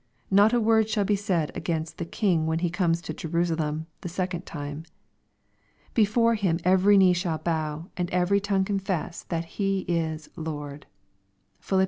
Not a word shall be said against the King when He comes to Jerusalem the second time. " Before Him every knee shall bow, and every tongue confess that He is Lord." (Phil. ii.